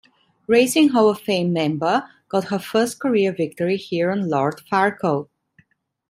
Racing Hall of Fame member, got her first career victory here on Lord Farkle.